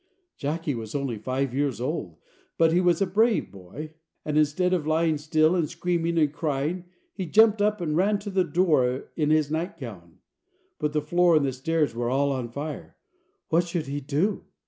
Jacky was only five years old, but he was a brave boy, and instead of lying still and screaming and crying, he jumped up and ran to the door in his night gown. But the floor and the stairs were all on fire. What should he do?